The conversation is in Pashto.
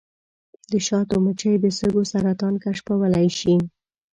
د شاتو مچۍ د سږو سرطان کشفولی شي.